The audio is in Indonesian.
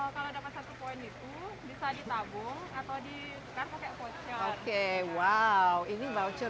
kalau dapat satu poin itu bisa di tabung atau ditukar pakai pocer